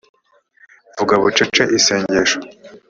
vuga bucece isengesho